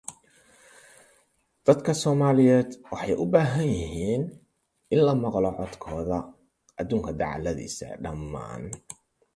Free float tubing is feasible in selected portions of the river.